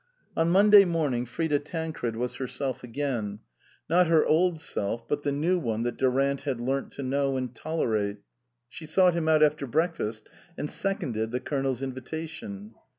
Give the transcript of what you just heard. On Monday morning Frida Tancred was her self again ; not her old self, but the new one that Durant had learnt to know and tolerate. She sought him out after breakfast and seconded the Colonel's invitation.